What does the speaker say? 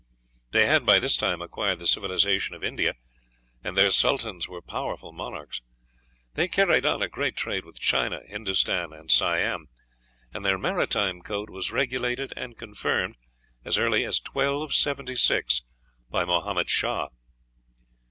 They had by this time acquired the civilization of India, and their sultans were powerful monarchs. They carried on a great trade with China, Hindoostan, and Siam, and their maritime code was regulated and confirmed, as early as 1276, by Mohammed Shah."